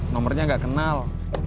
nomornya gak kenal